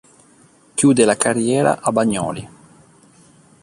Chiude la carriera a Bagnoli.